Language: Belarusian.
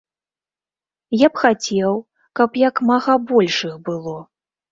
Я б хацеў, каб як мага больш іх было.